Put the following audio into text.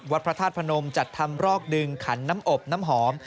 พระธาตุพนมจัดทำรอกดึงขันน้ำอบน้ำหอม